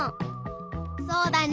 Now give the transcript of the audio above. そうだね。